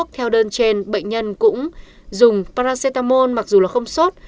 theo đơn trên bệnh nhân cũng dùng paracetamol mặc dù là không sốt